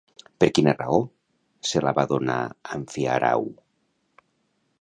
Per quina raó se la va donar Amfiarau?